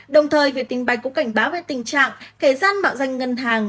đồng thời việt tình bành cũng cảnh báo về tình trạng kẻ gian mạo danh ngân hàng